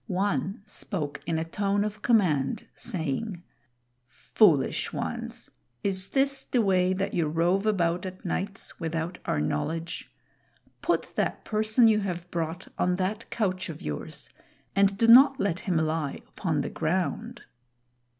One spoke in a tone of command, saying: "Foolish ones, is this the way that you rove about at nights without our knowledge? Put that person you have brought on that couch of yours, and do not let him lie upon the ground."